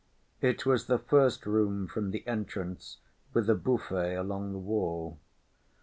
It was the first room from the entrance with a buffet along the wall.